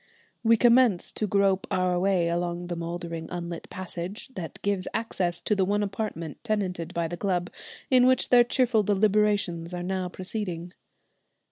We commence to grope our way along the mouldering, unlit passage that gives access to the one apartment tenanted by the club, in which their cheerful deliberations are now proceeding.